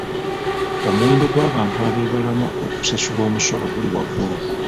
Omuwendo gw'abantu ab'ebalama okusasula omusolo guli waggulu.